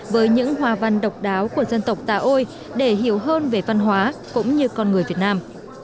với những hòa văn độc đáo của dân tộc tà ôi để hiểu hơn về văn hóa cũng như con người việt nam